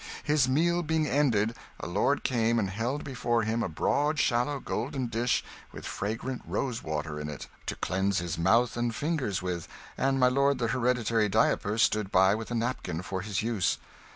His meal being ended, a lord came and held before him a broad, shallow, golden dish with fragrant rosewater in it, to cleanse his mouth and fingers with; and my lord the Hereditary Diaperer stood by with a napkin for his use.